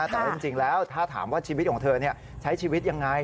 แต่ว่าจริงแล้วถ้าถามว่าชีวิตของเธอใช้ชีวิตยังไง